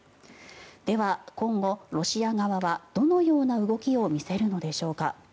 では今後、ロシア側はどのような動きを見せるのでしょうか。